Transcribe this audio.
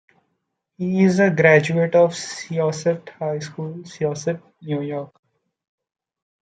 He is a graduate of Syosset High School, Syosset, New York.